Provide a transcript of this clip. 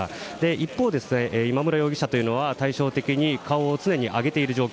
一方、今村容疑者とは対照的に顔を常に上げている状況。